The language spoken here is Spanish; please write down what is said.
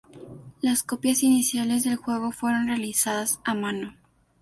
Las copias iniciales del juego fueron realizadas a mano.